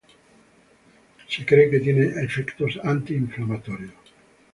Se cree que tienen efectos anti-inflamatorios.